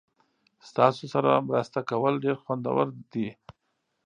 ستاسو سره مرسته کول ډیر خوندور دي.